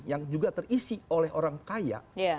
yang juga terisi oleh orang kaya